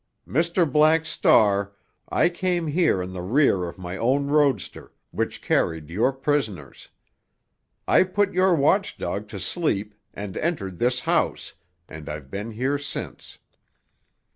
Mr. Black Star, I came here on the rear of my own roadster, which carried your prisoners. I put your watchdog to sleep and entered this house, and I've been here since.